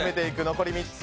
残り３つ。